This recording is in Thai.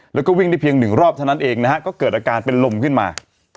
แล้วก็วิ่งได้เพียงหนึ่งรอบเท่านั้นเองนะฮะก็เกิดอาการเป็นลมขึ้นมา